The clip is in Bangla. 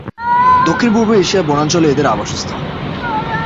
দক্ষিণ-পূর্ব এশিয়ার বনাঞ্চলে এদের আবাসস্থল।